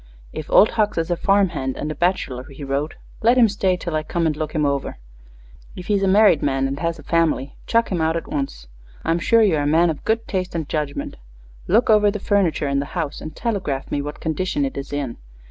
"If Old Hucks is a farm hand and a bachelor," he wrote, "let him stay till I come and look him over. If he's a married man and has a family, chuck him out at once. I'm sure you are a man of good taste and judgment. Look over the furniture in the house and telegraph me what condition it is in.